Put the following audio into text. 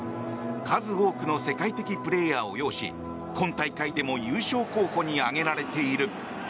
数多くの世界的プレーヤーを擁し今大会でも優勝候補に挙げられている。